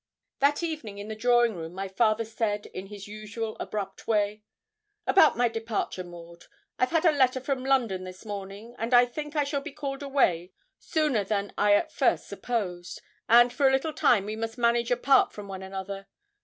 That evening in the drawing room my father said, in his usual abrupt way 'About my departure, Maud: I've had a letter from London this morning, and I think I shall be called away sooner than I at first supposed, and for a little time we must manage apart from one another.